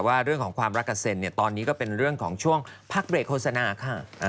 ว่าเรื่องของความรักกับเซ็นเนี่ยตอนนี้ก็เป็นเรื่องของช่วงพักเบรกโฆษณาค่ะ